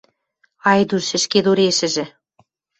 Айдуш ӹшкедурешӹжӹ.